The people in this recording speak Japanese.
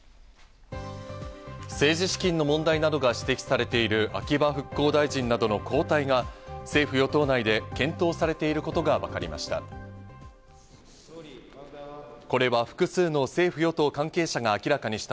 政治資金の問題などが指摘されている、秋葉復興大臣などの交代が、政府・与党内で検討されていることがわかりました。